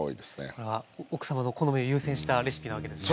これは奥様の好みを優先したレシピなわけですね？